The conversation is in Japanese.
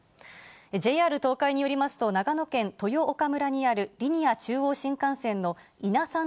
ＪＲ東海によりますと、長野県豊丘村にあるリニア中央新幹線のいなさん